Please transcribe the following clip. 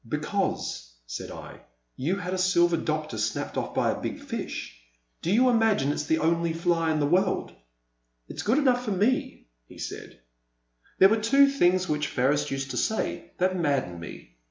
Because," said I, you had a Silver Doctor snapped ofi" by a big fish, do you imagine it *s the only fly in the world ?'It's good enough for me," he said. The Silent Land, 89 There were two things which Ferris used to say that maddened me.